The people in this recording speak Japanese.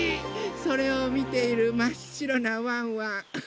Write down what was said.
それをみているまっしろなワンワン。